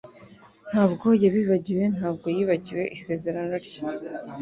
Ntabwo yabibagiwe, ntabwo yibagiwe isezerano rye.